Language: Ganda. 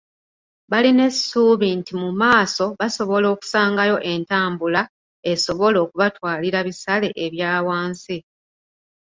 Balina essuubi nti mu maaso basobole okusangayo entambula esobola okubatwalira bisale ebya wansi.